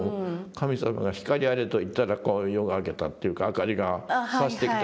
神様が「光あれ」と言ったら夜が明けたっていうか明かりがさしてきたというのがありますね。